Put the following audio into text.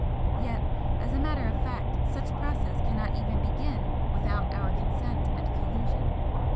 Yet, as a matter of fact, such process cannot even BEGIN without our consent and collusion.